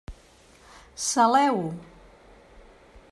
Saleu-ho.